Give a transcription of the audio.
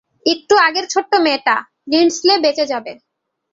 একটু আগের ছোট্ট মেয়েটা, লিন্ডসে বেঁচে যাবে।